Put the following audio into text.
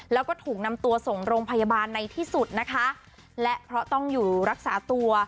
แล้วก็ถูกนำตัวส่งโรงพยาบาลในที่สุดนะคะและเพราะต้องอยู่รักษาตัว